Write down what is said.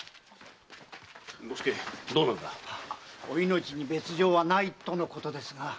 お命に別状はないとのことですが。